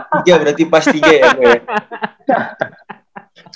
tiga berarti pas tiga ya bu ya